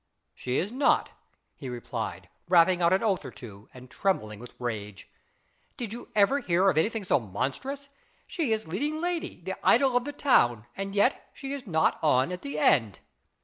" She is not," he replied, rapping out an oath or two, and trembling with rage. " Did you ever hear of anything so monstrous ? She is leading lady, the idol of the town, and yet she is not on at the end.